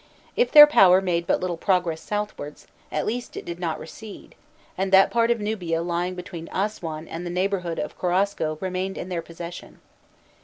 If their power made but little progress southwards, at least it did not recede, and that part of Nubia lying between Aswan and the neighbourhood of Korosko remained in their possession.